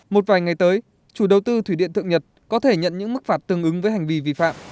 một vài ngày tới chủ đầu tư thủy điện thượng nhật có thể nhận những mức phạt tương ứng với hành vi vi phạm